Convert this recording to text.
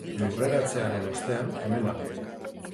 Lurreratzearen ostean, hemen nago.